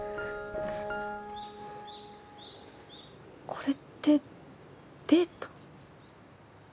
これってデート？